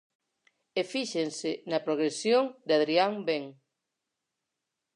E fíxense na progresión de Adrián Ben.